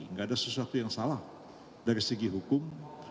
nggak ada sesuatu yang salah dari segi hukum